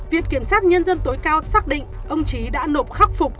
viện kiểm sát nhân dân tối cao xác định ông trí đã nộp khắc phục